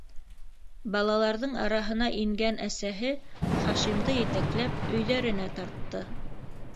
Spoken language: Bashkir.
- Балаларҙың араһына ингән әсәһе, Хашимды етәкләп, өйҙәренә тартты.